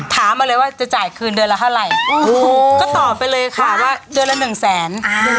ถามมาเลยว่าจะจ่ายคืนเดือนละเท่าไหร่ถูกก็ตอบไปเลยค่ะว่าเดือนละหนึ่งแสน